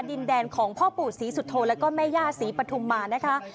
ดินแดนของพ่อปู่ศรีสุโธแล้วก็แม่ย่าศรีปฐุมมานะคะ